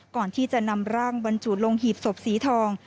ก่อนที่จะนำร่างบรรจุลงหีบศพสีทอง